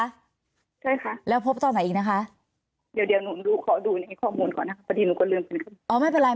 หนูขอดูในข้อมูลก่อนนะครับอันนี้หนูก็ลืมไปเลยค่ะ